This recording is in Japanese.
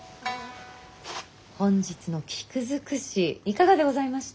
本日の菊尽くしいかがでございました？